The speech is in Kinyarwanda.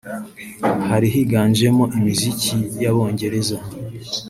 hari higanjemo imiziki y’abongereza